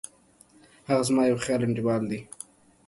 هغه زما یو خیالي انډیوال دی